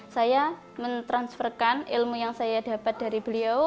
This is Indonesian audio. saya mentransferkan ilmu yang saya dapat dari beliau